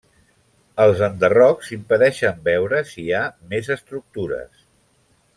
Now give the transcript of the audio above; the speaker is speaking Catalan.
Els enderrocs impedeixen veure si hi ha més estructures.